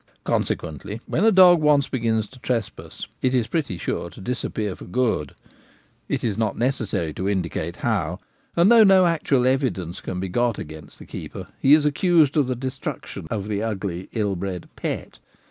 Consequently, when a dog once begins to trespass, it is pretty sure to disappear for good — it is not necessary to indicate how — and though no actual evidence can be got against the keeper, he is accused of the destruction of the ugly, ill bred 'pet.'